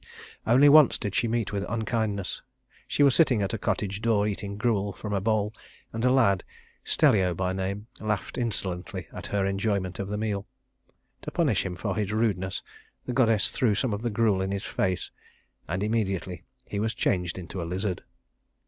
Only once did she meet with unkindness. She was sitting at a cottage door eating gruel from a bowl, and a lad Stellio by name laughed insolently at her enjoyment of the meal. To punish him for his rudeness the goddess threw some of the gruel in his face, and immediately he was changed into a lizard.